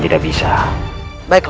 lihat yang aku lakukan